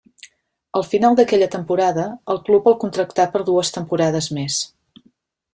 Al final d'aquella temporada el club el contractà per dues temporades més.